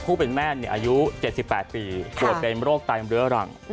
ผู้เป็นแม่อายุ๗๘ปีปวดเป็นโรคไตเรื้อรัง